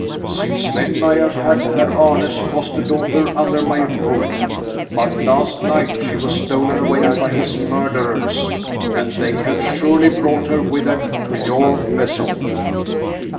Since then I have had Herr Arne's foster daughter under my roof, but last night she was stolen away by his murderers, and they have surely brought her with them to your vessel."